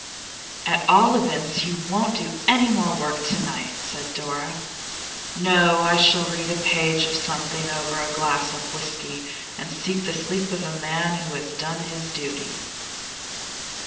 'At all events, you won't do any more work to night,' said Dora. 'No; I shall read a page of something or other over a glass of whisky, and seek the sleep of a man who has done his duty.